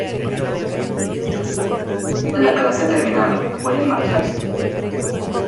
la clase ha terminado, pueden marcharse.